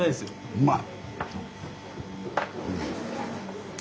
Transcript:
うまい！